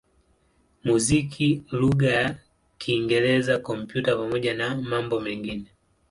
muziki lugha ya Kiingereza, Kompyuta pamoja na mambo mengine.